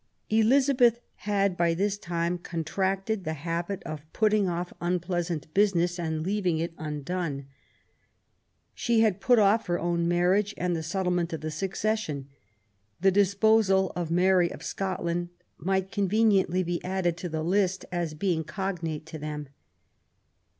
Elizabeth had, by this time, contracted the habit of putting off un pleasant business and leaving it undone. She had put off her own marriage and the settlement of the succession ; the disposal of Mary of Scotland might conveniently be added to the list, as a being cognate to them.